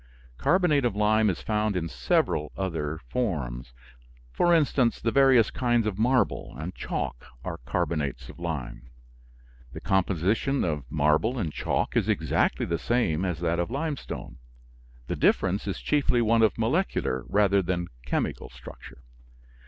Carbonate of lime is found in several other forms; for instance, the various kinds of marble and chalk are carbonates of lime. The composition of marble and chalk is exactly the same as that of limestone. The difference is chiefly one of molecular rather than chemical structure.